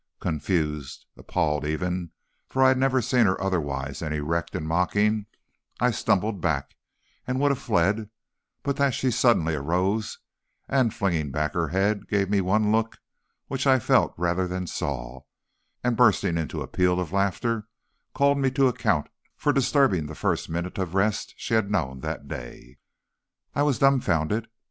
Confused, appalled even, for I had never seen her otherwise than erect and mocking, I stumbled back, and would have fled, but that she suddenly arose, and flinging back her head, gave me one look, which I felt rather than saw, and bursting into a peal of laughter, called me to account for disturbing the first minute of rest she had known that day. "I was dumfounded.